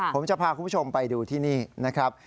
ผมจะพาคุณผู้ชมไปดูที่นี่นะครับ